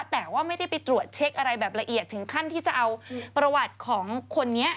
แต่ว่าไม่ได้ไปตรวจเช็คอะไรแบบละเอียดถึงขั้นที่จะเอาประวัติของคนนี้